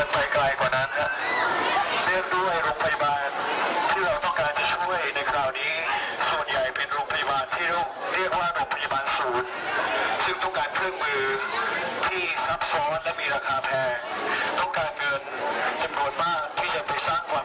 ตัวหนึ่งโรงนะครับตัวหนึ่งโรง